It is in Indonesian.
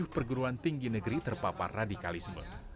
sepuluh perguruan tinggi negeri terpapar radikalisme